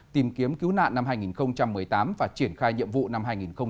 tìm kiếm cứu nạn năm hai nghìn một mươi tám và triển khai nhiệm vụ năm hai nghìn một mươi chín